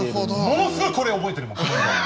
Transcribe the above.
ものすごいこれ覚えてるもん。